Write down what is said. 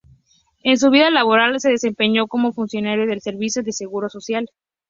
En su vida laboral se desempeñó como funcionario del Servicio de Seguro Social.